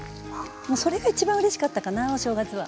もうそれが一番うれしかったかなお正月は。